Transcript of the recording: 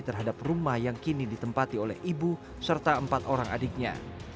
terhadap rumah yang kini ditempati oleh ibu serta empat orang adiknya